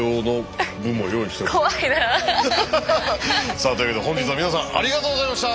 さあというわけで本日は皆さんありがとうございました！